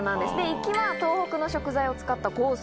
行きは東北の食材を使ったコース